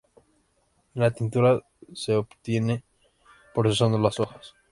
La tintura se obtiene procesando las hojas.